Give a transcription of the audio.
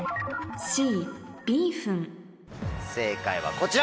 正解はこちら。